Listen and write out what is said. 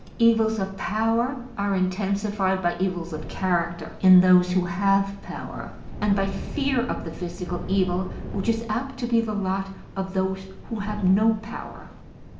Evils of power are intensified by evils of character in those who have power, and by fear of the physical evil which is apt to be the lot of those who have no power.